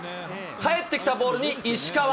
返ってきたボールに石川。